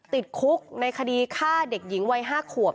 ติดคุกในคดีฆ่าเด็กหญิงวัย๕ขวบ